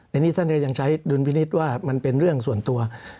อันนี้ท่านก็ยังใช้ดุลพินิษฐ์ว่ามันเป็นเรื่องส่วนตัว